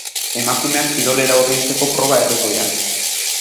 Emakumeak kirolera hurbiltzeko proba herrikoia.